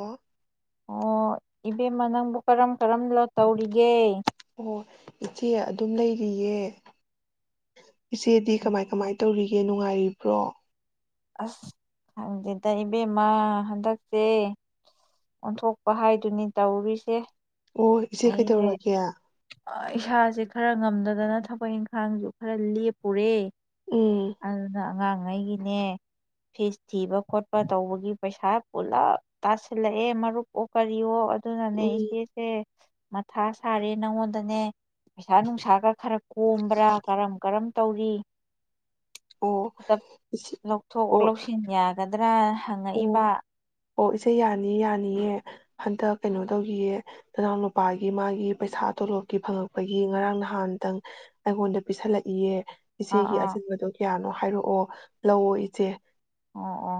ꯑꯣ ꯑꯣ ꯏꯕꯦꯝꯃ ꯅꯪꯕꯨ ꯀꯔꯝ ꯀꯔꯝꯕꯅ ꯇꯧꯔꯤꯒꯦ ꯑꯣ ꯏꯆꯦ ꯑꯗꯨꯝ ꯂꯩꯔꯤꯌꯦ ꯏꯆꯦꯗꯤ ꯀꯃꯥꯏ ꯀꯃꯥꯏ ꯇꯧꯔꯤ ꯑꯦ ꯅꯨꯡꯉꯥꯏꯔꯤꯕ꯭ꯔꯣ ꯑꯁ ꯈꯪꯗꯦꯗ ꯏꯕꯦꯝꯃ ꯍꯟꯗꯛꯁꯦ ꯑꯣꯟꯊꯣꯛꯄ ꯍꯥꯏꯗꯨꯅꯤ ꯇꯧꯔꯤꯁꯦ ꯑꯣ ꯏꯆꯦ ꯀꯩꯗꯧꯔꯒꯦ ꯑ ꯏꯁꯥꯖꯦ ꯈꯔ ꯉꯝꯗꯗꯅ ꯊꯕꯛ ꯏꯟꯈꯥꯡꯖꯨ ꯈꯔ ꯂꯦꯞꯄꯨꯔꯦ ꯎꯝ ꯑꯗꯨꯗ ꯑꯉꯥꯡꯉꯩꯒꯤꯅꯦ ꯐꯤꯁ ꯊꯤꯕ ꯈꯣꯠꯄ ꯇꯧꯕꯒꯤ ꯄꯩꯁꯥ ꯄꯨꯂꯞ ꯇꯁꯤꯜꯂꯛꯑꯦ ꯃꯔꯨꯞꯑꯣ ꯀꯔꯤꯑꯣ ꯑꯗꯨ ꯑꯗꯨꯅꯅꯦ ꯎꯝ ꯏꯆꯦꯁꯦ ꯃꯊꯥ ꯁꯥꯔꯦ ꯅꯪꯉꯣꯟꯗꯅꯦ ꯄꯩꯁꯥ ꯅꯨꯡꯁꯥꯒ ꯈꯔ ꯀꯣꯝꯕ꯭ꯔꯥ ꯀꯔꯝ ꯀꯔꯝ ꯇꯧꯔꯤ ꯑꯣ ꯈꯠꯇ ꯏꯆꯦ ꯂꯧꯊꯣꯛ ꯑꯣ ꯂꯧꯁꯤꯟ ꯌꯥ ꯅꯗ꯭ꯔꯥꯅ [unintelligible] ꯑꯣ ꯑꯣ ꯏꯆꯦ ꯌꯥꯅꯤ ꯌꯥꯅꯤꯌꯦ ꯍꯟꯗꯛ ꯀꯩꯅꯣ ꯇꯧꯈꯤꯌꯦ ꯅꯅꯥꯎ ꯅꯨꯨꯄꯥꯒꯤ ꯃꯥꯒꯤ ꯄꯩꯁꯥ ꯇꯣꯂꯣꯞꯀꯤ ꯐꯪꯉꯛꯄꯒꯤ ꯉꯔꯥꯡ ꯅꯍꯥꯟꯗꯪ ꯑꯩꯉꯣꯟꯗ ꯄꯤꯁꯜꯂꯛꯏꯌꯦ ꯑꯥ ꯏꯆꯦꯒꯤ ꯑꯥ ꯑꯆꯤꯟꯕꯗꯣ ꯀꯌꯥꯅꯣ ꯍꯥꯏꯔꯛꯑꯣ ꯂꯧꯑꯣ ꯏꯆꯦ ꯑꯣ ꯑꯣ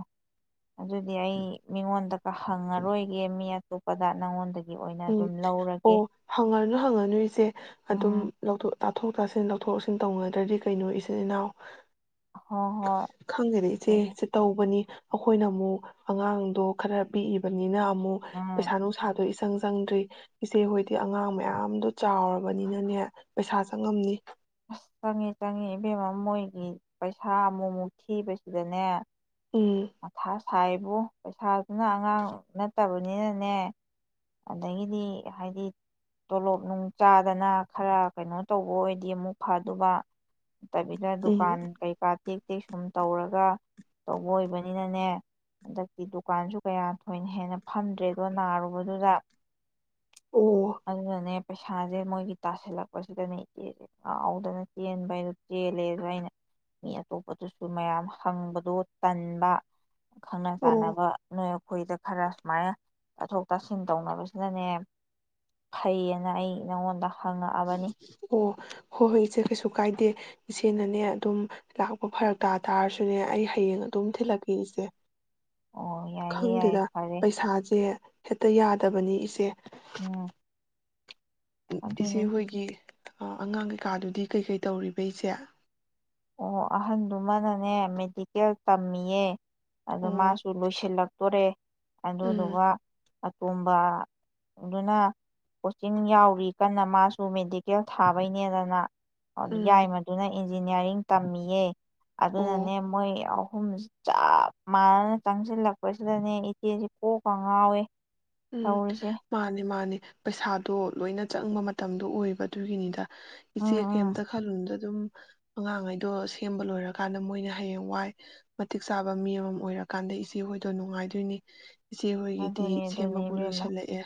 ꯑꯗꯨꯗꯤ ꯑꯩ ꯃꯤꯉꯣꯟꯗ ꯍꯪꯉꯔꯣꯏꯒꯦ ꯃꯤ ꯑꯇꯣꯞꯄꯗ ꯅꯪꯉꯣꯟꯗꯩ ꯎꯝ ꯑꯣ ꯍꯪꯉꯅꯨ ꯍꯪꯉꯅꯨ ꯏꯆꯦ ꯎꯝ ꯑꯗꯨꯝ ꯂꯧꯊꯣꯛ ꯇꯥꯊꯣꯛ ꯇꯥꯁꯤꯟ ꯂꯧ ꯂꯧꯊꯣꯛ ꯂꯧꯁꯤꯟ ꯇꯧꯅꯗ꯭ꯔꯗꯤ ꯀꯩꯅꯣ ꯏꯆꯤꯟ ꯏꯅꯥꯎ ꯍꯣꯏ ꯍꯣꯏ ꯈꯪ ꯈꯪꯗꯦꯗ ꯏꯆꯦ ꯑꯗꯨꯅꯦ ꯏꯆꯦ ꯇꯧꯕꯅꯤ ꯑꯩꯈꯣꯏꯅ ꯑꯃꯨꯛ ꯑꯉꯥꯡꯗꯣ ꯈꯔ ꯄꯤꯛꯏꯕꯅꯤꯅ ꯨꯑꯃꯨꯛ ꯎꯝ ꯄꯩꯁꯥ ꯅꯨꯡꯁꯥꯗꯣ ꯏ ꯆꯪꯗ꯭ꯔꯤ ꯏꯆꯦ ꯍꯣꯏꯗꯤ ꯑꯉꯥꯡ ꯃꯌꯥꯝꯗꯣ ꯆꯥꯎꯔꯕꯅꯤꯅꯅꯦ ꯄꯩꯁꯥ ꯆꯪꯉꯝꯅꯤ ꯑꯁ ꯆꯪꯉ ꯆꯪꯉꯦ ꯏꯕꯦꯝ ꯃꯣꯏꯒꯤ ꯄꯩꯁꯥ ꯑꯃꯨꯛ ꯃꯨꯛ ꯊꯤꯕꯁꯤꯗꯅꯦ ꯎꯝ ꯁꯥꯏꯕꯣ ꯄꯩꯁꯥꯗꯨꯅ ꯑꯉꯥꯡ ꯅꯠꯇꯕꯅꯤꯅꯅꯦ ꯑꯗꯒꯤꯗꯤ ꯍꯥꯏꯗꯤ ꯇꯣꯂꯣꯞ ꯅꯨꯡ ꯆꯥꯗꯅ ꯈꯔ ꯀꯩꯅꯣ ꯇꯧꯕ ꯑꯣꯏꯗꯤ ꯑꯃꯨꯛ ꯐꯗꯨꯕ ꯅꯠꯇꯕꯤꯗ ꯎꯝ ꯗꯨꯀꯥꯟ ꯀꯩꯀꯥ ꯇꯦꯛ ꯇꯦꯛ ꯁꯨꯝ ꯇꯧꯔꯒ ꯇꯧꯕ ꯑꯣꯏꯕꯅꯤꯅꯅꯦ ꯍꯟꯗꯛꯇꯤ ꯗꯨꯀꯥꯟꯁꯨ ꯀꯌꯥ ꯊꯣꯏꯅ ꯍꯦꯟꯅ ꯐꯝꯗ꯭ꯔꯦꯗꯣ ꯅꯥꯔꯨꯕꯗꯨꯗ ꯑꯣ ꯑꯗꯨꯅꯅꯦ ꯄꯩꯁꯥꯖꯦ ꯃꯣꯏꯒꯤ ꯇꯥꯥꯁꯤꯜꯂꯛꯄꯁꯤꯗꯅꯦ ꯏꯆꯦꯖꯦ ꯉꯥꯎꯗꯅ ꯆꯦꯟꯕ ꯍꯥꯏꯗꯣ ꯆꯦꯜꯂꯦ ꯑꯗꯨ ꯑꯩꯅ ꯃꯤ ꯑꯇꯣꯞꯄꯗꯁꯨ ꯃꯌꯥꯝ ꯍꯪꯕꯗꯣ ꯇꯟꯕ ꯈꯪꯅ ꯑꯣ ꯆꯥꯟꯅꯕ ꯅꯣꯏ ꯑꯩꯈꯣꯏꯗ ꯈꯔ ꯁꯨꯃꯥꯏꯅ ꯇꯥꯊꯣꯛ ꯇꯥꯁꯤꯟ ꯇꯧꯅꯕꯁꯤꯅꯅꯦ ꯐꯩꯌꯦꯅ ꯑꯩ ꯅꯉꯣꯟꯗ ꯑꯣ ꯍꯣ ꯍꯣꯏ ꯏꯆꯦ ꯀꯩꯁꯨ ꯀꯥꯏꯗꯦ ꯏꯆꯦꯅꯅꯦ ꯑꯗꯨꯝ ꯂꯥꯛꯄ ꯐꯔꯛ ꯇꯥ ꯇꯥꯔꯁꯨꯅꯦ ꯑꯩ ꯍꯌꯦꯡ ꯑꯗꯨꯝ ꯊꯤꯜꯂꯛꯀꯦ ꯏꯆꯦ ꯑꯣ ꯌꯥꯏꯌꯦ ꯌꯥꯏꯌꯦ ꯈꯪꯗꯦꯗ ꯐꯔꯦ ꯄꯩꯁꯥꯖꯦ ꯍꯦꯛꯇ ꯌꯥꯗꯕꯅꯤ ꯏꯆꯦ [inaudible] ꯎ ꯑꯗꯨꯅꯤ ꯏꯆꯦꯍꯣꯢꯒꯤ ꯑꯣ ꯑꯉꯥꯡ ꯀꯩꯀꯥꯗꯨꯗꯤ ꯀꯩꯀꯩ ꯇꯧꯔꯤꯕ ꯏꯆꯦ ꯑꯣ ꯑꯍꯟꯗꯨꯃꯅꯅꯦ ꯃꯦꯗꯤꯀꯦꯜ ꯇꯝꯃꯤꯌꯦ ꯑꯗꯣ ꯑꯣ ꯃꯥꯁꯨ ꯂꯣꯏꯁꯤꯜꯂꯛ ꯇꯣꯔꯦ ꯎꯝ ꯑꯗꯨꯗꯨꯒ ꯑ ꯇꯣꯝꯕꯗꯨꯅ ꯀꯣꯆꯤꯡ ꯌꯥꯎꯔꯤ ꯀꯟꯅ ꯃꯥꯁꯨ ꯃꯦꯗꯤꯀꯦꯜ ꯊꯥꯕꯩꯅꯦꯅ ꯃꯥ ꯎꯝ ꯌꯥꯢꯃꯗꯨꯅ ꯏꯟꯖꯤꯅꯤꯌꯔꯤꯡ ꯇꯝꯃꯤꯌꯦ ꯑꯣ ꯑꯗꯨꯅꯅꯦ ꯃꯣꯏ ꯑꯍꯨꯝꯁꯤ ꯆꯞ ꯃꯥꯟꯅꯅ ꯆꯪꯖꯤꯜꯂꯛꯄꯁꯤꯗꯅꯦ ꯏꯆꯦꯁꯤ ꯀꯣꯛꯀ ꯉꯥꯎꯋꯦ ꯎꯝ ꯇꯧꯔꯤꯁꯦ ꯃꯥꯟꯅꯤ ꯃꯥꯟꯅꯤ ꯄꯩꯁꯥꯗꯣ ꯂꯣꯏꯅ ꯆꯪꯕ ꯃꯇꯝꯗꯣ ꯑꯣꯏꯕ ꯑꯗꯨꯒꯤꯅꯤꯗ ꯏꯆꯦ ꯎꯝ ꯎꯝ ꯀꯩꯝꯇ ꯈꯜꯂꯨꯗ ꯑꯗꯨꯝ ꯑꯉꯥꯡꯉꯩꯗꯣ ꯁꯦꯝꯕ ꯂꯣꯏꯔꯀꯥꯟꯗ ꯃꯣꯏꯅ ꯍꯌꯦꯡ ꯋꯥꯏ ꯃꯇꯤꯛ ꯆꯥꯕ ꯃꯤ ꯑꯃꯃꯝ ꯑꯣꯏꯔꯀꯥꯟꯗ ꯏꯆꯦ ꯍꯣꯏꯗꯣ ꯅꯨꯡꯉꯥꯏꯗꯣꯏꯅꯤ ꯏꯆꯦ ꯍꯣꯏꯒꯤꯗꯤ ꯑꯗꯨꯅꯦ ꯑꯗꯨꯅꯦ ꯁꯦꯝꯕꯕꯨ ꯏꯕꯦꯝꯃ ꯂꯣꯏꯁꯤꯜꯂꯛꯑꯦ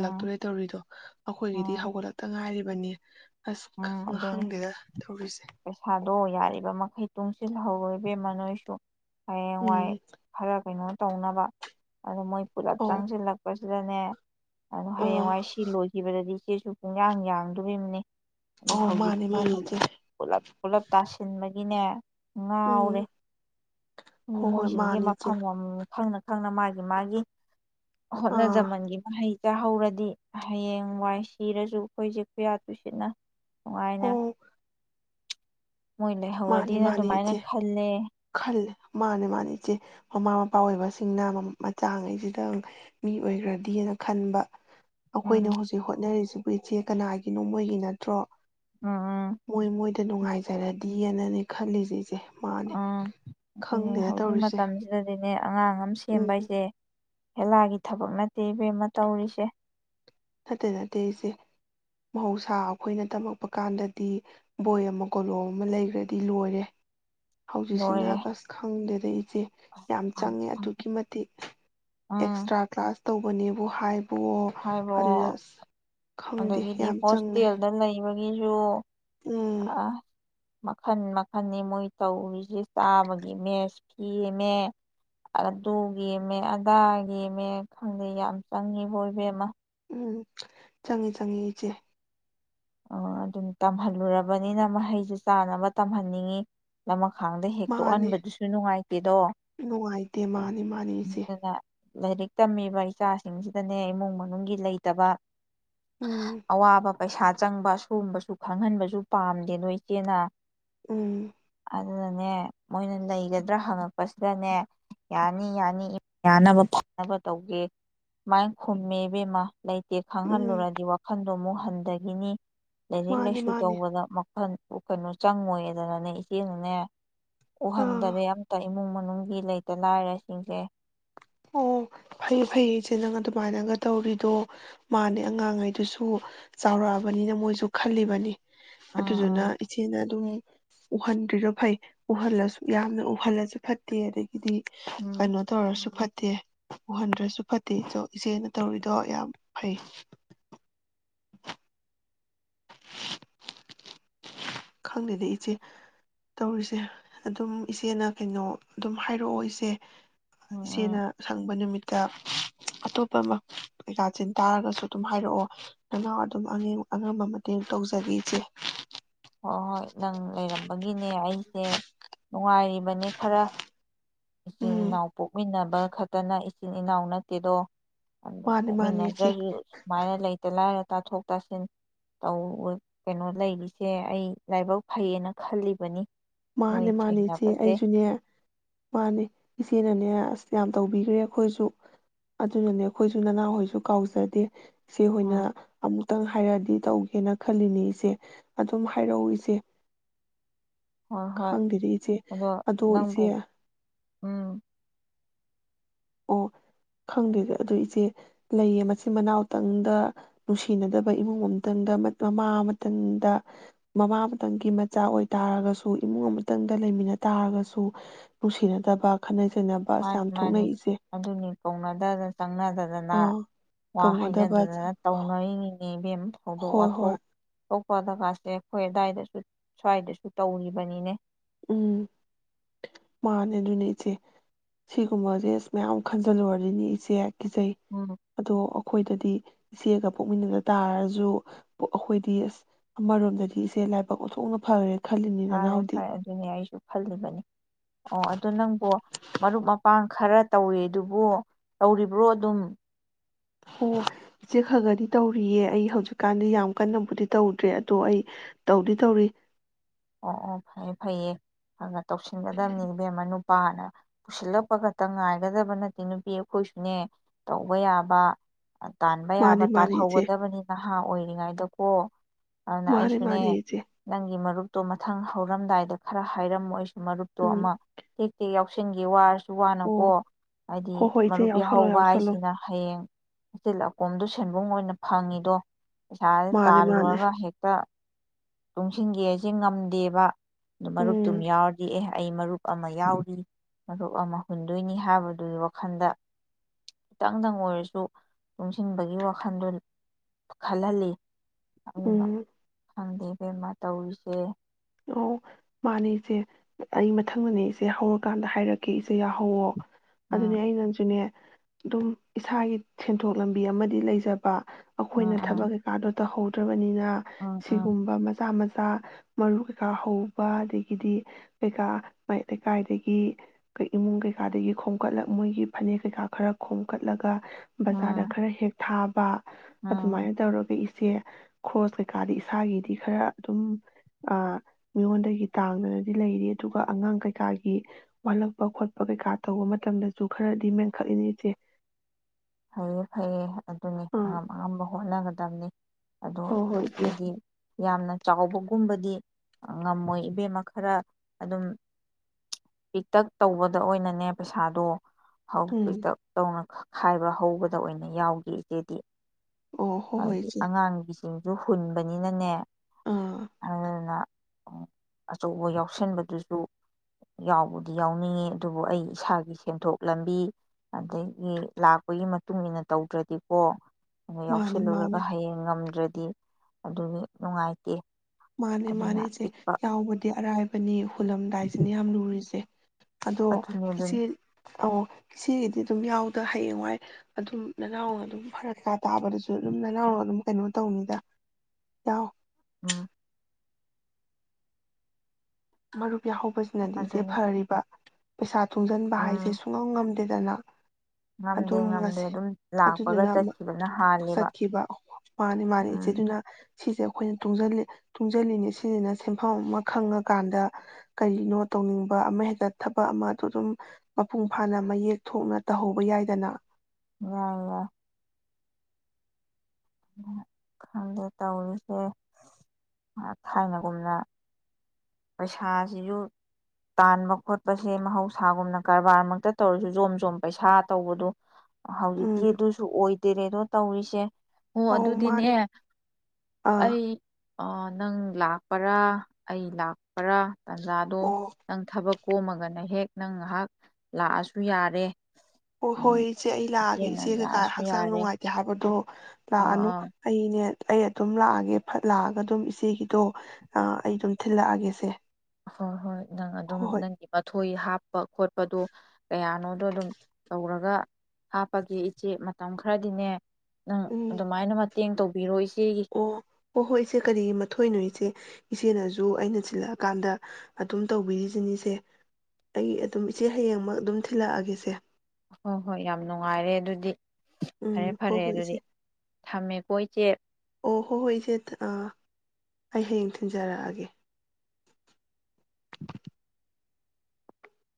ꯎꯝ ꯇꯧꯔꯤꯗꯣ ꯑꯩꯈꯣꯏꯒꯤꯗꯤ ꯎꯝ ꯍꯧꯒꯠꯂꯛꯇ ꯉꯥꯢ ꯉꯥꯢꯔꯤꯕꯅꯤ ꯑꯁ ꯎꯝ ꯈꯪ ꯑꯗꯨꯅꯦ ꯈꯪꯗꯦꯗ ꯇꯧꯔꯤꯁꯦ ꯇꯨꯡꯁꯤꯜꯍꯧꯑꯣ ꯏꯕꯦꯝꯃꯅꯣꯏꯁꯨ ꯍꯌꯦꯡꯋꯥꯏ ꯎꯝ ꯈꯔ ꯀꯩꯅꯣ ꯇꯧꯅꯕ ꯑꯗꯨ ꯃꯣꯏ ꯄꯨꯂꯞ ꯑꯧ ꯆꯥꯡꯖꯤꯜꯂꯛꯄ ꯑꯗꯨꯅꯦ ꯑꯣ ꯑꯥ ꯍꯌꯦꯡꯋꯥꯥꯏ ꯁꯤ ꯂꯣꯏꯈꯤꯕꯗꯗꯤ ꯁꯨ ꯄꯨꯡꯌꯥꯥꯡ ꯌꯥꯡꯗꯣꯔꯤꯕꯅꯤ ꯑ ꯑꯗꯣ ꯃꯥꯅꯦ ꯍꯧꯖꯤꯛꯇꯤ ꯃꯥꯅꯤꯇ ꯄꯨꯂꯞ ꯄꯨꯂꯞ ꯇꯥꯁꯤꯟꯕꯒꯤꯅꯦ ꯉꯥꯎꯔꯦ ꯎꯝ ꯑꯗꯨ ꯍꯣꯏ ꯍꯣꯏ ꯃꯣꯏꯁꯤꯡꯒꯤ ꯃꯥꯅꯤ ꯏꯆꯦ ꯃꯐꯝ ꯑꯃ ꯈꯪꯅ ꯈꯪꯅ ꯃꯥꯒꯤ ꯃꯥꯒꯤ ꯑꯥ ꯍꯣꯠꯅꯖꯃꯟꯒꯤ ꯃꯍꯩ ꯆꯥꯍꯧꯔꯗꯤ ꯍꯌꯦꯡ ꯋꯥꯏ ꯁꯤꯔꯁꯨ ꯑꯩꯈꯣꯏꯁꯦ ꯈꯨꯌꯥꯠ ꯅꯨꯡꯁꯤꯠꯅ ꯅꯨꯡꯉꯥꯏꯅ ꯑꯣ ꯃꯣꯏ ꯃꯥꯅꯦ ꯂꯩꯍꯧꯔꯗꯤꯦꯅ ꯃꯥꯅꯦ ꯑꯗꯨꯃꯥꯏꯅ ꯏꯆꯦ ꯈꯜꯂꯦ ꯈꯜꯂꯦ ꯃꯥꯅꯦ ꯃꯥꯅꯦ ꯏꯆꯦ ꯃꯃꯥ ꯃꯄꯥ ꯑꯣꯏꯕꯁꯤꯡꯅ ꯃꯆꯥꯉꯩꯁꯤꯗ ꯃꯤ ꯑꯣꯏꯈ꯭ꯔꯗꯤꯅ ꯈꯟꯕ ꯎꯝ ꯑꯩꯈꯣꯏꯅ ꯍꯧꯖꯤꯛ ꯍꯣꯠꯅꯔꯤꯁꯤ ꯍꯈ ꯏꯆꯦ ꯀꯅꯥꯒꯤꯅꯣꯃꯣꯏꯒꯤ ꯅꯠꯇ꯭ꯔꯣ ꯎꯝ ꯎꯝ ꯃꯣꯏ ꯃꯣꯏ ꯁꯤ ꯅꯨꯡꯉꯥꯏꯖꯔꯗꯤꯑꯅꯅꯦ ꯈꯜꯂꯤꯁꯦ ꯏꯆꯦ ꯃꯥꯅꯦ ꯑꯥ ꯑꯗꯨꯅꯦ ꯈꯪꯗꯦꯅ ꯍꯧꯖꯤꯛ ꯇꯧꯔꯤꯁꯦ ꯃꯇꯝꯁꯤꯗꯗꯤꯅꯦ ꯑꯉꯥꯡ ꯑꯃ ꯁꯦꯝꯕ ꯎꯝ ꯍꯥꯏꯁꯦ ꯍꯦꯂꯥꯒꯤ ꯊꯕꯛ ꯅꯠꯇꯦ ꯏꯕꯦꯝꯃ ꯇꯧꯔꯤꯁꯦ ꯅꯠꯇꯦ ꯅꯠꯇꯦ ꯏꯁꯦ ꯃꯍꯧꯁꯥ ꯑꯩꯈꯣꯏꯅ ꯇꯝꯃꯛꯄ ꯀꯥꯟꯗꯗꯤ ꯕꯣꯏ ꯑꯃ ꯀꯣꯂꯣꯝ ꯑꯃ ꯂꯩꯈ꯭ꯔꯗꯤ ꯂꯣꯏꯔꯦ ꯍꯧꯖꯤꯛꯁꯤꯅ ꯂꯣꯏꯔꯦ ꯑꯁ ꯈꯪꯗꯦꯗ ꯏꯆꯦ ꯌꯥꯝ ꯈꯪꯗꯦ ꯆꯪꯉꯦ ꯈꯪꯗꯦ ꯑꯗꯨꯛꯀꯤ ꯃꯇꯤꯛ ꯎꯝ ꯑꯦꯛꯁꯇ꯭ꯔꯥ ꯀ꯭ꯂꯥꯁ ꯇꯧꯕꯅꯦꯕꯨ ꯍꯥꯏꯕ ꯄ ꯐꯔꯤ ꯍꯥꯏꯔꯛꯑꯣ ꯑꯁ ꯈꯪꯗꯦ ꯌꯥꯝ ꯆꯪꯉꯦ ꯃꯔꯨ ꯎꯝ ꯑ ꯃꯈꯜ ꯃꯈꯟꯅꯤ ꯃꯣꯏ ꯇꯧꯔꯤꯁꯦ ꯆꯥꯕꯒꯤ ꯃ ꯐꯤꯃꯦ ꯑꯗꯨꯒꯤꯃꯦ ꯑꯗꯥꯒꯤꯃꯦ ꯈꯪꯗꯦ ꯌꯥꯝ ꯆꯪꯉꯤꯕ ꯃꯦꯝꯃ ꯎꯝ ꯆꯪꯉ ꯆꯪꯉ ꯏꯆꯦ ꯑꯗꯨꯝ ꯇꯝꯍꯜꯂꯨꯔꯕꯅꯤꯅ ꯃꯍꯩꯁ ꯆꯥꯅꯕ ꯇꯝꯍꯟꯅꯤꯡꯉꯤ ꯑꯈꯥꯡꯗ ꯍꯦꯛ ꯃꯥꯅꯦ ꯇꯣꯛꯍꯟꯕꯗꯨꯁꯨ ꯅꯨꯡꯉꯥꯏꯇꯦꯗꯣ ꯅꯨꯡꯉꯥꯏꯇꯦ ꯃꯥꯅꯤ ꯃꯥꯅꯤ ꯏꯆꯦ ꯑꯗꯨꯅ ꯂꯥꯏꯔꯤꯛ ꯇꯝꯃꯤꯕ ꯏꯆꯥꯁꯤꯡꯁꯤꯗꯅꯦ ꯏꯃꯨꯡ ꯃꯅꯨꯡꯒꯤ ꯂꯩꯇꯕ ꯎꯝ ꯄꯩꯁꯥꯗ ꯆꯪꯕ ꯁꯨꯝꯕꯁꯨ ꯈꯪꯍꯟꯕꯁꯨ ꯄꯥꯝꯗꯦ ꯅꯣꯏ ꯏꯆꯦꯅ ꯎꯝ ꯑꯗꯨꯅꯅꯦ ꯃꯣꯏꯅ ꯅꯩꯒꯗ꯭ꯔꯥ ꯍꯪꯉꯛꯄꯁꯤꯗꯅꯦ ꯌꯥꯅꯤ ꯌꯥꯅꯤ ꯌꯥꯅꯕ ꯐꯅꯕ ꯇꯧꯒꯦ ꯁꯨꯃꯥꯏꯅ ꯈꯨꯝꯃꯦ ꯏꯕꯦꯝꯃ ꯂꯩꯇꯦ ꯎꯝ ꯈꯪꯍꯜꯂꯨꯔꯗꯤ ꯋꯥꯈꯜ ꯔꯣꯃꯣ ꯍꯟꯗꯛ ꯅꯤꯅꯤ ꯂꯥꯏꯔꯤꯛ ꯃꯥꯅꯤ ꯂꯥꯏꯁꯨ ꯃꯥꯅꯤ ꯇꯧꯕꯗ ꯀꯩꯅꯣ ꯆꯪꯉꯣꯏꯌ‌ꯦꯗꯅꯅꯦ ꯏꯆꯦꯅꯅꯦ ꯑꯥ ꯎꯍꯟꯗꯔ‌ꯦ ꯑꯝꯇ ꯏꯃꯨꯡ ꯃꯅꯨꯡꯒꯤ ꯂꯩꯇ ꯂꯥꯏꯔꯁꯤꯡꯁꯦ ꯑꯣ ꯐꯩꯌꯦ ꯐꯩꯌꯦ ꯏꯆꯦ ꯅꯪ ꯑꯗꯨꯃꯥꯏꯅꯒ ꯇꯧꯔꯤꯗꯣ ꯃꯥꯅꯦ ꯑꯉꯥꯡꯉꯩꯗꯨꯁꯨ ꯆꯥꯎꯔꯛꯑꯕꯅꯤꯅ ꯃꯣꯏꯁꯨ ꯈꯜꯂꯤꯕꯅꯤ ꯎꯝ ꯑꯗꯨꯗꯨꯅ ꯎꯝ ꯏꯆꯅ ꯑꯗꯨꯝ ꯎꯍꯟꯗ꯭ꯔꯤꯗ‌ꯣ ꯐꯩ ꯎꯍꯜꯂꯁꯨ ꯌꯥꯝꯅ ꯎꯍꯜꯂꯁꯨ ꯐꯠꯇꯦ ꯑꯗꯒꯤ ꯍꯥꯏꯗꯤ ꯎꯝ ꯀꯩꯅꯣ ꯇꯧꯔꯁꯨ ꯐꯠꯇꯦ ꯐꯠꯇꯦ ꯎꯍꯟꯗ꯭ꯔꯁꯨ ꯐꯠꯇ‌ꯣ ꯏꯆꯦꯅ ꯇꯧꯔꯤꯗꯣ ꯌꯥꯝ ꯐꯩ ꯈꯪꯗꯦꯗ ꯏꯆꯦ ꯇꯧꯔꯤꯁꯦ ꯑꯗꯨꯝ ꯏꯆꯦꯅ ꯀꯩꯅꯣ ꯑꯗꯨꯝ ꯍꯥꯏꯔꯛꯑꯣ ꯏꯆꯦ ꯎꯝ ꯎꯝ ꯏꯆꯦꯅ ꯁꯪꯕ ꯅꯨꯃꯤꯠꯇ ꯑꯇꯣꯞꯄ ꯑꯃꯥ ꯄꯩꯀꯥ ꯆꯥꯟꯇꯥꯔꯒꯁꯨ ꯑꯗꯨꯝ ꯍꯥꯏꯔꯛꯑꯣ ꯅꯅꯥꯎ ꯑꯗꯨꯝ ꯑ ꯑꯉꯝꯕ ꯃꯇꯦꯡ ꯇꯧꯖꯒ‌ꯦ ꯏꯆꯦ ꯍꯣꯏ ꯍꯣꯏ ꯅꯪ ꯂꯩꯔꯝꯕꯒꯤꯅꯦ ꯑꯩꯁꯦ ꯅꯨꯡꯉꯥꯏꯔꯤꯕꯅꯦ ꯈꯔ ꯏꯆꯤꯜ ꯎꯝ ꯏꯅꯥꯎ ꯄꯣꯛꯃꯤꯟꯅ ꯕ ꯈꯛꯇꯅ ꯏꯆꯤꯟ ꯏꯅꯥꯎ ꯅꯠꯇꯦꯗꯣ ꯑꯗꯨ ꯃꯥꯅꯤ ꯃꯥꯅꯤ ꯏꯆꯦ ꯄꯣꯛꯃꯤꯟꯅꯗ꯭ꯔꯁꯨ ꯁꯨꯃꯥꯏꯅ ꯂꯩꯇ ꯂꯥꯏꯔ ꯇꯥꯊꯣꯛ ꯇꯥꯁꯤꯟ ꯇꯧꯔ ꯀꯩꯅꯣ ꯂꯩꯕꯁꯦ ꯑꯩ ꯂꯥꯏꯕꯛ ꯐꯩꯌꯦꯅ ꯈꯜꯂꯤꯕꯅꯤ ꯅꯣꯏ ꯃꯥꯅꯦ ꯃꯥꯅꯦ ꯏꯆꯦ ꯊꯦꯡꯅꯕꯁꯦ ꯑꯩꯁꯨꯅꯦ ꯃꯥꯅꯦ ꯏꯆꯦꯅꯅꯦ ꯑꯁ ꯌꯥꯝ ꯇꯧꯕꯤꯈ꯭ꯔꯦ ꯑꯩꯈꯣꯏꯁꯨ ꯑꯗꯨꯅꯅꯦ ꯑꯩꯈꯣꯏꯁꯨ ꯅꯅꯥꯍꯣꯏꯁꯨ ꯀꯥꯎꯖꯗꯦ ꯆ‌ꯦ ꯍ‌ꯣꯏꯅ ꯎꯝ ꯑꯃꯨꯛ ꯈꯤꯇꯪ ꯍꯥꯏꯔꯛꯑꯗꯤ ꯇꯧꯒꯦꯅ ꯈꯜꯂꯤꯅꯦ ꯏꯆꯦ ꯑꯗꯨꯝ ꯍꯥꯏꯔꯛꯎ ꯏꯁꯦ ꯍꯣꯏ ꯍꯣꯏ ꯈꯪꯗꯦꯗ ꯏꯆꯦ ꯑꯗꯣ ꯏꯆꯦ ꯑꯝ ꯑꯣ ꯈꯪꯗꯦꯗ ꯑꯗꯨ ꯏꯆꯦ ꯂꯩꯌꯦ ꯃꯆꯤꯟ ꯃꯅꯥꯎꯇꯪꯗ ꯅꯨꯡꯁꯤꯅꯗꯕ ꯏꯃꯨꯡ ꯑꯃꯇꯪꯗ ꯃꯃꯥ ꯑꯃꯇꯪꯗ ꯃꯃꯥ ꯑꯃꯇꯪꯒꯤ ꯃꯆꯥ ꯑꯣꯏꯇꯥꯥꯔꯒꯁꯨ ꯏꯃꯨꯡ ꯑꯃꯇꯪꯗ ꯂꯩꯃꯤꯟꯅ ꯇꯥꯔꯒꯁꯨ ꯅꯨꯡꯁꯤꯅꯗꯕ ꯈꯟꯅ ꯆꯩꯅꯕ ꯑꯁ ꯃꯥꯅꯤ ꯌꯥꯝ ꯃꯥꯅꯤ ꯊꯣꯛꯅꯩ ꯏꯆ‌ꯦ ꯑꯗꯨꯅꯤ ꯀꯧꯅꯗꯗ ꯆꯪꯅ ꯗꯗꯅ ꯑꯥ ꯋꯥ ꯀꯧꯅꯗꯕ ꯍꯥꯏꯅꯗꯗꯅ ꯇꯧꯅꯔꯤꯅꯤꯅ‌ꯦ ꯃꯦꯝ ꯊꯧꯗꯣꯛ ꯍꯣꯏ ꯍꯣꯏ ꯋꯥꯊꯣꯛ [unintelligible] ꯁꯦ ꯑꯩꯈꯣꯏ ꯑꯗꯥꯏꯗꯁꯨ ꯁ꯭ꯋꯥꯏꯗꯁꯨ ꯇꯧꯔꯤꯕꯅꯤꯅ‌ꯦ ꯎꯝ ꯃꯥꯅꯦ ꯑꯗꯨꯅꯦ ꯏꯆꯦ ꯁꯤꯒꯨꯝꯕꯁꯦ ꯑꯁ ꯃꯌꯥꯝ ꯈꯟꯖꯤꯜꯂꯨꯔꯗꯤꯅꯦ ꯏꯆꯦ ꯀꯤꯖꯩ ꯎꯝ ꯑꯗꯣ ꯑꯩꯈꯣꯏꯗꯗꯤ ꯏꯆꯦꯒ ꯄꯣꯛꯃꯤꯟꯅꯗ ꯇꯥꯔꯁꯨ ꯑꯩꯈꯣꯏꯗꯤ ꯑꯁ ꯑꯃꯔꯣꯝꯗꯗꯤ ꯏꯆꯦ ꯂꯥꯏꯕꯛ ꯑꯣꯊꯣꯛꯅ ꯐꯈ꯭ꯔꯦ ꯈꯜꯂꯤꯅꯤ ꯅꯅꯥꯎꯗꯤ ꯁ ꯐꯜꯂꯤꯕꯅꯤ ꯑꯣ ꯑꯗꯨꯗ ꯅꯪꯕꯨ ꯃꯔꯨꯞ ꯃꯄꯥꯡ ꯈꯔ ꯇꯧꯋꯦ ꯑꯗꯨꯕꯨ ꯇꯧꯔꯤꯕ꯭ꯔꯣ ꯑꯗꯨꯝ ꯑꯣ ꯏꯆꯦ ꯈꯔ ꯈꯗꯤ ꯇꯧꯔꯤꯌꯦ ꯑꯩ ꯍꯧꯖꯤꯛꯀꯥꯟꯗꯤ ꯌꯥꯝ ꯀꯟꯅꯕꯨꯗꯤ ꯇꯧꯗ꯭ꯔꯦ ꯑꯗꯣ ꯑꯩ ꯇꯧꯗꯤ ꯇꯧꯔꯤ ꯑꯣ ꯑꯣ ꯐꯩꯌꯦꯦ ꯐꯩꯌꯦ ꯑꯗꯨꯒ ꯇꯧꯁꯤꯟꯒꯗꯕꯅꯤ ꯏꯕꯦꯝꯃ ꯅꯨꯄꯥꯅ ꯄꯨꯁꯤꯜꯂꯛꯄ ꯈꯛꯇ ꯉꯥꯏꯒꯗꯕ ꯅꯠꯇꯦ ꯅꯨꯄꯤ ꯑꯩꯈꯣꯏꯁꯨꯅꯦ ꯇꯧꯕ ꯌꯥꯕ ꯇꯥꯟꯕ ꯌꯥꯕ ꯃꯥꯅꯦ ꯃꯥꯅꯦ ꯏꯆꯦ ꯇꯥꯜꯍꯧꯒꯗꯕꯅꯤꯅ ꯑ ꯑꯣꯏꯔꯤꯉꯥꯏꯗ ꯀꯣ ꯑꯗꯨꯅ ꯃꯥꯅꯦ ꯑꯩꯁꯨꯅꯦ ꯃꯥꯅꯦ ꯏꯆꯦ ꯅꯪꯒꯤ ꯃꯔꯨꯞ ꯇꯣ ꯃꯊꯪ ꯍꯧꯔꯝꯗꯥꯏꯗ ꯈꯔ ꯍꯥꯏꯔꯝꯃꯣꯏ ꯃꯔꯛꯇꯨ ꯎꯝ ꯑꯃ ꯊ ꯁꯤꯡꯒꯤ ꯋꯥꯔ ꯇꯨ ꯋꯥꯅꯀꯣ ꯑꯣ ꯍꯥꯏꯗꯤ ꯍꯣꯏ ꯍꯣꯏ ꯏꯆꯦ ꯃꯔꯨꯞ ꯌꯥꯎꯁꯜꯂꯣ ꯌꯥꯎꯍꯧꯕ ꯌꯥꯎꯁꯜꯂꯣ ꯍꯥꯏꯁꯤꯅ ꯍꯌꯦꯡ ꯑꯁꯤꯆꯤꯜꯂꯀꯣꯝꯗꯣ ꯁꯦꯟꯕꯨꯡ ꯑꯣꯏꯅ ꯐꯪꯉꯤꯗꯣ ꯄꯩꯁꯥꯥꯁ ꯃꯥꯅꯦ ꯃꯥꯅꯦ ꯇꯥꯜꯂꯨꯔꯒ ꯍꯦꯛꯇ ꯇꯨꯡꯁꯤꯟꯒꯦꯁꯦ ꯉꯝꯗꯦꯕ ꯑꯗꯨ ꯃꯔꯨꯞꯇꯝ ꯎꯝ ꯌꯥꯎꯔꯗꯤ ꯑꯦ ꯑꯩ ꯃꯔꯨꯞ ꯑꯃ ꯌꯥꯎꯔꯤ ꯃꯔꯨꯞ ꯑꯃ ꯍꯨꯟꯗꯣꯏꯅꯤ ꯍꯥꯏꯕꯗꯨꯒꯤ ꯋꯥꯈꯜꯗ ꯈꯤꯇꯪꯗꯪ ꯑꯣꯏꯔꯁꯨ ꯄꯨꯨꯡꯁꯤꯟꯕꯒꯤ ꯋꯥꯈꯜꯗ ꯈꯜꯍꯜꯂꯤ ꯎꯝ ꯑꯗ ꯑꯃ ꯇꯧꯔꯤꯁꯦ ꯑ ꯃꯥꯅꯦ ꯏꯆꯦ ꯑꯩ ꯃꯊꯪꯗꯅꯦ ꯏꯆꯦ ꯍꯧꯔꯀꯥꯟꯗ ꯍꯥꯏꯔꯛꯀꯦ ꯏꯆꯦ ꯌꯥꯍꯧꯋꯣ ꯑꯗꯨꯅꯦ ꯎꯝ ꯑꯩ ꯅꯟꯁꯨꯨꯅꯦ ꯑꯗꯨꯝ ꯏꯁꯥꯒꯤ ꯁꯦꯟꯊꯣꯛ ꯂꯝꯕꯤ ꯑꯃꯗꯤ ꯂꯩꯖꯕ ꯑꯩꯈꯣꯏꯅ ꯎꯝ ꯎꯝ ꯊꯕꯛ ꯀꯩꯀꯥꯗ ꯇꯧꯍꯧꯗ꯭ꯔꯕꯅꯤꯅ ꯎꯝ ꯎꯝ ꯁꯤꯒꯨꯝꯕ ꯃꯆꯥ ꯃꯆꯥ ꯃꯔꯨ ꯀꯩꯀꯥ ꯍꯧꯕ ꯑꯗꯒꯤꯗꯤ ꯀꯩꯀꯥ ꯂꯩꯀꯥꯏꯗꯒꯤ ꯏꯃꯨꯡ ꯀꯩꯀꯥꯗꯒꯤ ꯈꯣꯝꯀꯠꯂ ꯃꯣꯏꯒꯤ ꯐꯅꯦꯛ ꯀꯩꯀꯥ ꯈꯔ ꯈꯣꯝꯒꯠꯂꯒ ꯕꯖꯥꯔꯗ ꯎꯝ ꯈꯔ ꯍꯦꯛ ꯊꯥꯕ ꯄ ꯎꯝ ꯑꯗꯨꯃꯥꯏꯅ ꯇꯧꯔꯒ ꯁꯦ ꯈꯣꯁ ꯀꯩꯀꯥꯗꯤ ꯏꯁꯥꯒꯤꯗꯤ ꯈꯔ ꯑꯗꯨꯝ ꯑ ꯃꯤꯉꯣꯟꯗꯒꯤ ꯇꯥꯡꯗꯅꯗꯤ ꯂꯩꯔꯤ ꯑꯗꯨꯒ ꯑꯉꯥꯡ ꯀꯩꯀꯥꯒꯤ ꯋꯥꯠꯂꯛꯄ ꯈꯣꯠꯄ ꯀꯩꯀꯥ ꯇꯧꯕ ꯃꯇꯝꯗꯁꯨ ꯈꯔꯗꯤ ꯃꯦꯟꯈꯠꯂꯤꯅꯤ ꯏꯆꯦ ꯍ ꯐꯔ ꯑꯗꯨꯅꯤ ꯑꯥ ꯑꯉꯝ ꯑꯉꯝꯕ ꯍꯣꯠꯅꯒꯗꯕꯅꯤ ꯑꯗꯣ ꯍꯣꯏ ꯍꯣꯏ ꯏꯆꯦ ꯏꯆꯦꯗꯤ ꯌꯥꯝꯅ ꯆꯥꯎꯕꯒꯨꯝꯕꯗꯤ ꯉꯝꯃꯣꯏ ꯏꯕꯦꯝꯃ ꯈꯔ ꯑꯗꯨꯝ ꯄꯤꯛꯇꯛ ꯇꯧꯕꯗ ꯑꯣꯏꯅꯅꯦ ꯄꯩꯁꯥꯗꯣ ꯍꯥꯎ ꯎꯝ ꯄꯤꯛꯇꯛ ꯇꯧꯅ ꯍꯥꯏꯕꯔꯣ ꯍꯧꯕꯗ ꯑꯣꯏꯅ ꯌꯥꯎꯒꯦ ꯏꯆꯦꯗꯤ ꯑꯣ ꯍꯣꯏ ꯍꯣꯏ ꯍꯥꯏꯗꯤ ꯏꯆꯦ ꯑꯉꯥꯡꯒꯤ ꯆꯤꯡꯁꯨ ꯍꯨꯟꯕꯅꯤꯅꯅꯦ ꯑꯥ ꯑꯗꯨꯅ ꯑꯆꯧꯕ ꯌꯥꯎꯁꯟꯕꯗꯨꯁꯨ ꯌꯥꯎꯕꯗꯤ ꯌꯥꯎꯅꯤꯡꯉꯤ ꯑꯗꯨꯕꯨ ꯑꯩ ꯏꯁꯥꯒꯤ ꯁꯦꯟꯊꯣꯛ ꯂꯝꯕꯤ ꯑꯗꯒꯤ ꯂꯥꯛ ꯄꯒꯤ ꯃꯇꯨꯡ ꯏꯟꯅ ꯇꯧꯗ꯭ꯔꯗꯤꯀꯣ ꯑꯩꯅ ꯃꯥꯅꯦ ꯌꯥꯎꯁꯜꯂꯨꯔꯒ ꯃꯥꯅꯦ ꯍꯌꯦꯡ ꯉꯝꯗ꯭ꯔ ꯗꯤ ꯑꯗꯨꯒꯤ ꯅꯨꯡꯉꯥꯏꯇꯦ ꯃꯥꯅꯦ ꯑꯗꯨꯅ ꯃꯥꯅꯦ ꯏꯆꯦ ꯑꯄꯤꯛꯄ ꯌꯥꯎꯕꯗꯤ ꯑꯔꯥꯏꯕ ꯅꯦ ꯍꯨꯟ ꯍꯨꯜꯂꯝꯗꯥꯏꯁꯤꯅꯦ ꯌꯥꯝ ꯂꯨꯔꯤꯁꯦ ꯑꯗꯣ ꯑꯗꯨꯅꯤ ꯑꯗꯨꯅꯤ ꯏꯆꯦ ꯑꯧ ꯁꯤꯒꯤꯗꯤ ꯑꯗꯨꯝ ꯌꯥꯎꯗ ꯍꯌꯦꯡꯋꯥꯏ ꯑꯗꯨꯝ ꯅꯅꯥꯎꯅ ꯑꯗꯨꯝ ꯐꯔꯛ ꯀꯀꯥ ꯇꯥꯕꯗꯁꯨ ꯑꯗꯨꯝ ꯅꯅꯥꯎꯅ ꯑꯗꯨꯝ ꯀꯩꯅꯣ ꯇꯧꯅꯤꯗ ꯌꯥꯎ ꯎꯝ ꯃꯔꯨꯞ ꯌꯥꯎꯍꯧꯕꯁꯤꯅꯗꯤ ꯏꯆꯦ ꯑꯗꯨꯅꯤ ꯐꯔꯤꯕ ꯄꯩꯁꯥ ꯇꯨꯡꯁꯤꯟꯕ ꯎꯝ ꯍꯥꯏꯁꯦ ꯁꯨꯡꯉꯝ ꯉꯝꯗ ꯑꯗꯨꯗꯅ ꯉꯝꯗꯦ ꯉꯝꯗꯦ ꯑꯗꯨꯝ ꯂꯥꯛꯄꯒ ꯑꯗꯨꯗꯨꯅ ꯆꯠꯈꯤꯕꯅ ꯍꯥꯜꯂꯤꯕ ꯆꯠꯈꯤꯕ ꯃꯥꯅꯤ ꯃꯥꯅꯤ ꯏꯆꯦ ꯎꯝ ꯑꯗꯨꯅ ꯁꯤꯁꯦ ꯑꯩꯈꯣꯏꯅ ꯇꯨꯡꯖꯂꯤ ꯇꯨꯡꯖꯤꯜꯂꯤꯅꯤ ꯁꯤꯁꯤꯅ ꯁꯦꯟꯐꯝ ꯑꯃ ꯈꯪꯉꯛ ꯀꯥꯟꯗ ꯀꯔꯤꯅꯣ ꯇꯧꯅꯤꯡꯕ ꯑꯃ ꯍꯦꯛꯇ ꯊꯕꯛ ꯑꯃꯗ ꯑꯗꯨꯝ ꯃꯄꯨꯡ ꯐꯥꯅ ꯃꯌꯦꯛ ꯊꯣꯛꯅ ꯇꯧꯍꯧꯕ ꯌꯥꯏꯗꯅ ꯌꯥꯏ ꯌꯥꯏ ꯈꯪꯗꯦ ꯇꯧꯔꯤꯁꯦ ꯊꯥꯏꯅꯒꯨꯝꯅ ꯄꯩꯁꯥꯁꯤꯁꯨ ꯇꯥꯟꯕ ꯈꯣꯠꯄꯁꯦ ꯃꯍꯧꯁꯥꯒꯨꯝꯅ ꯀꯔꯕꯥꯔꯃꯛꯇ ꯇꯧꯔꯁꯨ ꯖꯣꯝ ꯖꯣꯝ ꯄꯩꯁꯥ ꯇꯧꯕꯗꯨ ꯍꯧꯖꯤꯛꯇꯤ ꯎꯝ ꯑꯗꯨꯁꯨ ꯑꯣꯏ ꯗꯔꯦꯗꯣ ꯇꯧꯔꯤꯁꯦ ꯑꯣ ꯑꯧ ꯑꯗꯨꯗꯤꯅꯦ ꯃꯥꯅꯤ ꯑꯥ ꯑꯩ ꯑ ꯅꯪ ꯂꯥꯛꯄꯔꯥ ꯑꯩ ꯂꯥꯛ ꯄꯔ꯭ ꯇꯥꯟꯖꯥꯗꯣ ꯑꯣ ꯅꯪ ꯊꯕꯛ ꯀꯣꯝꯃꯒꯅ ꯍꯦꯛ ꯅꯪ ꯉꯥꯏꯍꯥꯛ ꯂꯥꯛꯑꯁꯨ ꯌꯥꯔꯦ ꯍꯣꯏ ꯎꯝ ꯍꯣꯏ ꯏꯆꯦ ꯑꯩ ꯂꯥꯛꯑꯒꯦ ꯏꯆꯦꯅ ꯏꯆꯦ ꯀꯩꯀꯥ ꯂꯥꯛꯑꯁꯨ ꯍꯛꯆꯥꯡ ꯌꯥꯔꯦ ꯅꯨꯡꯉꯥꯏꯇꯦ ꯍꯥꯏꯕꯗꯣ ꯂꯥꯛꯑꯅꯨ ꯑꯥ ꯑꯩꯅꯦ ꯑꯩ ꯑꯗꯨꯝ ꯂꯥꯛꯑꯒꯦ ꯐꯠ ꯂꯥꯛꯑꯒ ꯑꯗꯨꯝ ꯏꯆꯦꯒꯤꯗꯣ ꯑꯩ ꯑꯗꯨꯝ ꯊꯤꯜꯂꯛꯑꯒꯦꯁꯦ ꯍꯣꯏ ꯍꯣꯏ ꯅꯪ ꯑꯗꯨꯝ ꯍꯣꯏ ꯍꯣꯏ ꯅꯪꯒꯤ ꯃꯊꯣꯏ ꯍꯥꯞ ꯍꯥꯞꯄ ꯈꯣꯠꯄꯗꯣ ꯀꯌꯥꯅꯣꯗꯣ ꯑꯗꯨꯝ ꯇꯧꯔꯒ ꯍꯥꯞꯄꯒꯦ ꯏꯆꯦ ꯃꯇꯝ ꯈꯔꯗꯤꯅꯦ ꯎꯝ ꯑꯗꯨꯃꯥꯏꯅ ꯃꯇꯦꯡ ꯇꯧꯕꯤꯔꯛꯏꯁ ꯑꯣ ꯍꯣ ꯍꯣꯏ ꯏꯆꯦ ꯀꯔꯤꯒꯤ ꯃꯊꯣꯏꯏꯅꯣ ꯏꯆꯦ ꯏꯆꯦꯅꯁꯨ ꯑꯩꯅ ꯊꯤꯜꯂꯛꯑꯀꯥꯟꯗ ꯑꯗꯨꯝ ꯇꯧꯕꯤꯔꯤꯁꯤꯅꯤꯁꯦ ꯑꯩ ꯑꯗꯨꯝ ꯏꯆꯦ ꯍꯌꯦꯡꯃꯛ ꯑꯗꯨꯝ ꯊꯤꯜꯂꯛꯑꯒꯦꯁꯦ ꯍꯣꯏ ꯍꯣꯏ ꯌꯥꯝ ꯅꯨꯡꯉꯥꯏꯔꯦ ꯑꯗꯨꯗꯤ ꯐꯔꯦ ꯎꯝ ꯐꯔꯦ ꯑꯗꯨꯗꯤ ꯍꯣꯁꯦ ꯊꯝꯃꯦꯀꯣ ꯏꯆꯦ ꯑꯣ ꯍꯣꯁ ꯑ ꯑꯩ ꯍꯌꯦꯡ ꯊꯤꯟꯖꯔꯛꯑꯒꯦ